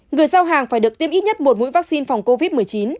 người giao hàng phải được tiêm ít nhất một mũi vaccine phòng covid một mươi chín